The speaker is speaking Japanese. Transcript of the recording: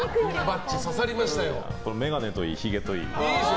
眼鏡といいひげといい。